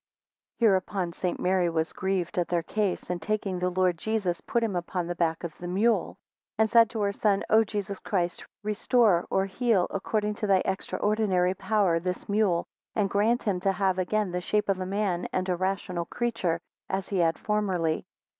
24 Hereupon St. Mary was grieved at their case, and taking the Lord Jesus, put him upon the back of the mule. 25 And said to her son, O Jesus Christ, restore (or heal) according to thy extraordinary power this mule, and grant him to have again the shape of a man and a rational creature, as he had formerly.